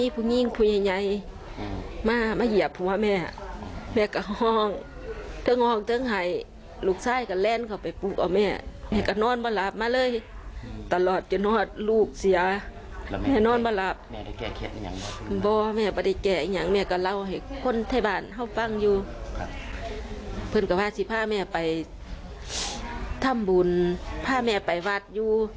เพื่อนก็พาสิพาแม่ไปทำบุญพาแม่ไปวัดอยู่